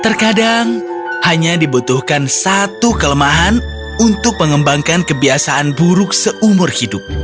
terkadang hanya dibutuhkan satu kelemahan untuk mengembangkan kebiasaan buruk seumur hidup